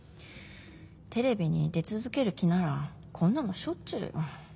テレビに出続ける気ならこんなのしょっちゅうよ。